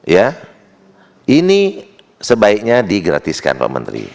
ya ini sebaiknya digratiskan pak menteri